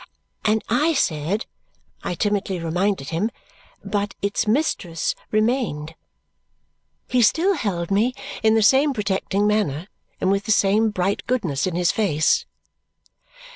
"And I said," I timidly reminded him, "but its mistress remained." He still held me in the same protecting manner and with the same bright goodness in his face.